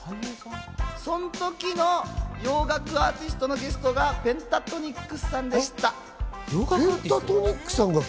その時の洋楽アーティストのゲストの方がペンタトニックスさんでした。